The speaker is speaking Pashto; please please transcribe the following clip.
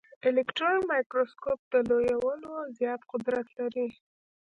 الکټرون مایکروسکوپ د لویولو زیات قدرت لري.